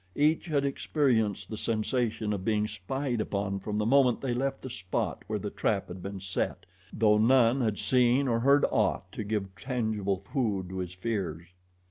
Each had experienced the sensation of being spied upon from the moment they left the spot where the trap had been set, though none had seen or heard aught to give tangible food to his fears.